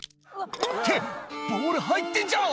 「ってボール入ってんじゃん」